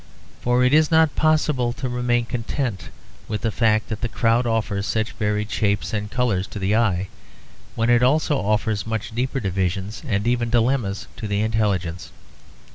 For it is not possible to remain content with the fact that the crowd offers such varied shapes and colours to the eye, when it also offers much deeper divisions and even dilemmas to the intelligence.